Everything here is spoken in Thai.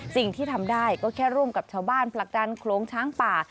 สิ่งที่ทำได้ก็แค่ร่วมกับชาวบ้านผลักดันโครงช้างป่า